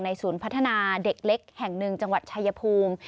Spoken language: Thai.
ศูนย์พัฒนาเด็กเล็กแห่งหนึ่งจังหวัดชายภูมิ